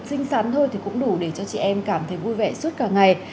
xinh xắn thôi thì cũng đủ để cho chị em cảm thấy vui vẻ suốt cả ngày